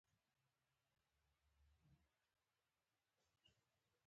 هغه په بېلابېلو علمي موضوعاتو کې کتابونه لیکلي دي.